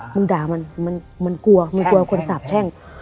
มึงด่ามันมันกลัวมึงกลัวคนสาบแช่ง